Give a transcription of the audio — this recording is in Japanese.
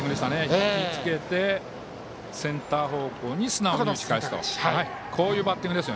引き付けてセンター方向に素直に打ち返す。